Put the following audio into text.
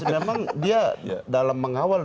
memang dia dalam mengawal